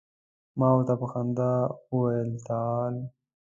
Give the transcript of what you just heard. ما ورته په خندا وویل تعال.